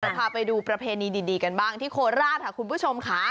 พาไปดูประเพณีดีกันบ้างที่โคราชค่ะคุณผู้ชมค่ะ